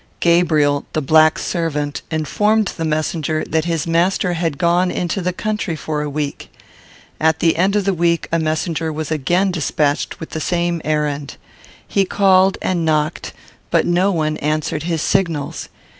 Gabriel, the black servant, informed the messenger that his master had gone into the country for a week. At the end of the week, a messenger was again despatched with the same errand. He called and knocked, but no one answered his signals.